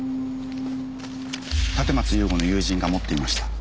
立松雄吾の友人が持っていました。